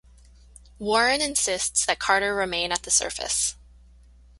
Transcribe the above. Warren insists that Carter remain at the surface.